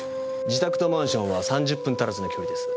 自宅とマンションは３０分足らずの距離です。